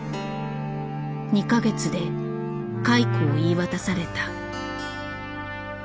２か月で解雇を言い渡された。